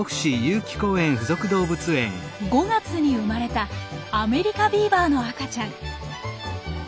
５月に生まれたアメリカビーバーの赤ちゃん。